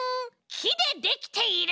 きでできている。